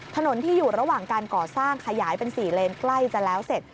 ถนนที่อยู่ระหว่างการก่อสร้างขยายเป็น๔เลนใกล้จะแล้วเสร็จ